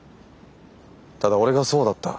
ただ俺がそうだった。